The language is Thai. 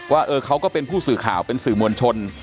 ว่าเขาก็เป็นผู้สื่อข่าวเป็นสื่อมวลชน